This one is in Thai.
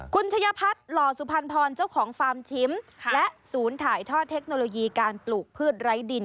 คุณชะยพัฒน์หล่อสุพรรณพรเจ้าของฟาร์มชิมและศูนย์ถ่ายทอดเทคโนโลยีการปลูกพืชไร้ดิน